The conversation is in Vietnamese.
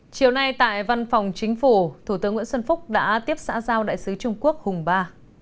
chiều nay tại văn phòng chính phủ thủ tướng nguyễn xuân phúc đã tiếp xã giao đại sứ trung quốc hùng ba